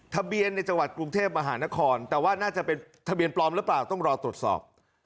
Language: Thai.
ทะเบียนในจังหวัดกรุงเทพมหานครแต่ว่าน่าจะเป็นทะเบียนปลอมหรือเปล่าต้องรอตรวจสอบ